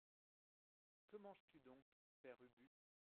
Que manges-tu donc, Père Ubu ?